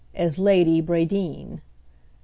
—as Lady Bradeen.